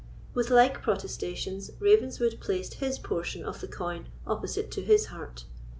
With like protestations, Ravenswood placed his portion of the coin opposite to his heart.